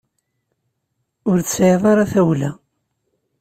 Ur tesɛiḍ ara tawla.